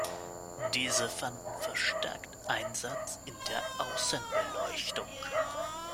Diese fanden verstärkt Einsatz in der Außenbeleuchtung.